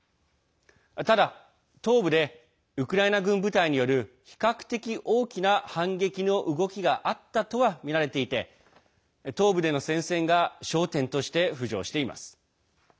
ただ、東部でウクライナ軍部隊による比較的大きな反動の動きがあったとはみられていて東部での戦線が焦点として浮上しています。